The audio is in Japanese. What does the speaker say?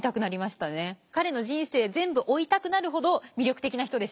彼の人生全部追いたくなるほど魅力的な人でした。